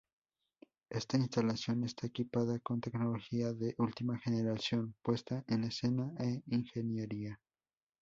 Esta instalación está equipada con tecnología de última generación puesta en escena e ingeniería.